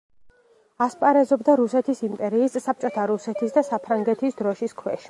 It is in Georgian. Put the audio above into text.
ასპარეზობდა რუსეთის იმპერიის, საბჭოთა რუსეთის და საფრანგეთის დროშის ქვეშ.